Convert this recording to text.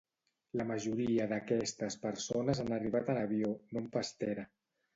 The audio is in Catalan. La majoria d'aquestes persones han arribat en avió, no en pastera.